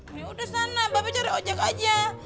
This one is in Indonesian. yaudah sana babe cari ojak aja